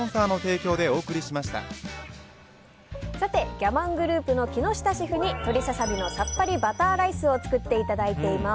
ギャマングループの木下シェフに鶏ササミのさっぱりバターライスを作っていただいています。